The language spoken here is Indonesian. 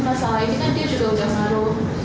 masalah ini kan dia juga sudah maruh